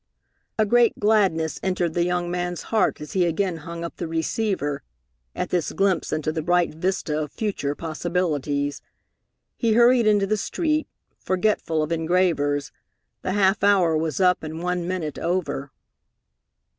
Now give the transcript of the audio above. A great gladness entered the young man's heart as he again hung up the receiver, at this glimpse into the bright vista of future possibilities. He hurried into the street, forgetful of engravers. The half hour was up and one minute over.